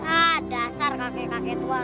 ah dasar kaki kakek tua